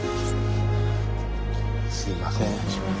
すいません